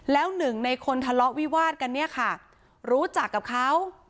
แล้วหนึ่งในคนทะเลาะวิวาดกันเนี่ยค่ะรู้จักกับเขา